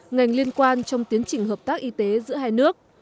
ngành liên quan trong tiến trình hợp tác y tế giữa hai nước